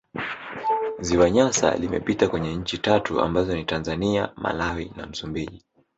ziwa nyasa limepita kwenye nchi tatu ambazo ni tanzania malawi na msumbiji